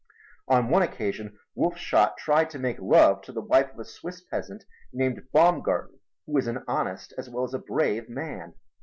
On one occasion Wolfshot tried to make love to the wife of a Swiss peasant named Baumgarten who was an honest as well as a brave man.